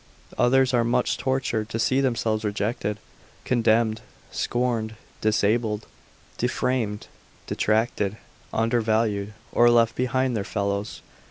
Others are as much tortured to see themselves rejected, contemned, scorned, disabled, defamed, detracted, undervalued, or left behind their fellows.